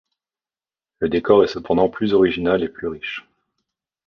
Le décor est cependant plus original et plus riche.